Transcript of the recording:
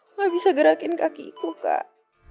nggak bisa gerakin kakiku kak